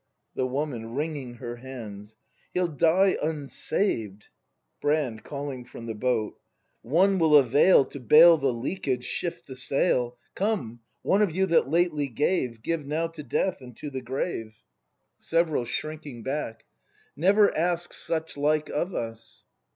The Woman. [Wringing her hands.] He'll die unsaved ! Brand. [Calling from the hoat!] One will avail To bail the leakage, shift the sail; Come, one of you that lately gave; Give now to death and to the grave! 66 BRAND [act ii Several. [Shrinking bacJc.] Never ask such like of us